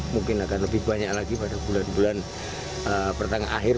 mungkin akan lebih banyak lagi pada bulan bulan pertengahan akhir